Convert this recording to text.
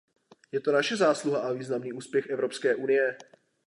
Je to naše zásluha a významný úspěch Evropské unie.